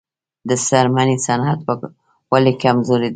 د څرمنې صنعت ولې کمزوری دی؟